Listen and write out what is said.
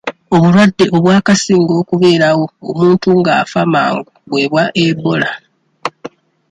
Obulwadde obwakasinga okubeerawo omuntu ng'afa mangu bwe bwa Ebola.